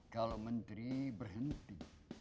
kalau menteri berhenti